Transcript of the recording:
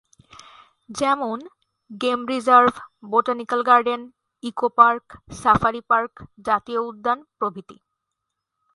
যেমনঃ game reserve, botanical garden, eco park, safari park, জাতীয় উদ্যান প্রভৃতি।